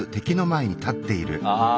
ああ。